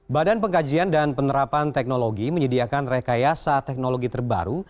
badan pengkajian dan penerapan teknologi menyediakan rekayasa teknologi terbaru